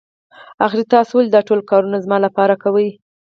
آخر تاسو ولې دا ټول کارونه زما لپاره کوئ.